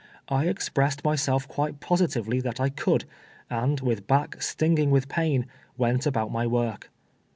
I expressed myself quite positively that I could, and, with back stinging with pain, went about my work.